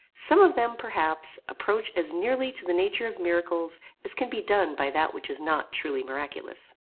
Some of them, perhaps, approach as nearly to the nature of miracles as can be done by that which is not truly miraculous.